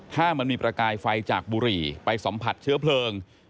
ถ้ามันมีประกายไฟจากบุหรี่ไปสัมผัสเชื้อเพลิง